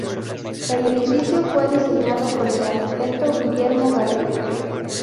El edificio fue diseñado por el arquitecto Guillermo Garrido.